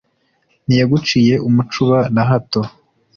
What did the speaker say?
Ntiyaguciye umucuba nahato,